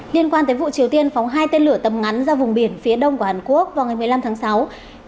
liên quan tới vụ triều tiên phóng hai tên lửa tầm ngắn ra vùng biển phía đông của hàn quốc vào ngày một mươi năm tháng sáu